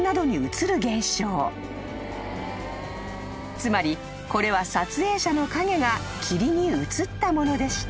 ［つまりこれは撮影者の影が霧に映ったものでした］